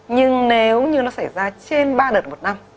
nhưng nếu như nó xảy ra trên ba đợt một năm